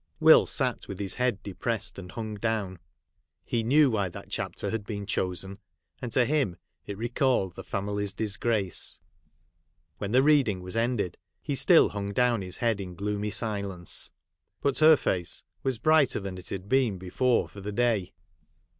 Will sat with his head depressed, and hung down. He knew why that chapter had been chosen ; and to him it recalled the family's disgrace. When the reading was ended, he still hung down his head in gloomy silence. But her face was brighter than it had been before for the day.